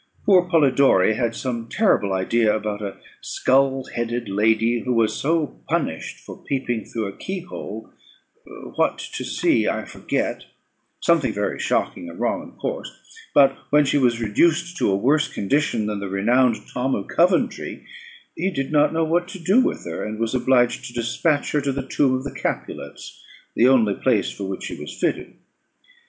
Poor Polidori had some terrible idea about a skull headed lady, who was so punished for peeping through a key hole what to see I forget something very shocking and wrong of course; but when she was reduced to a worse condition than the renowned Tom of Coventry, he did not know what to do with her, and was obliged to despatch her to the tomb of the Capulets, the only place for which she was fitted.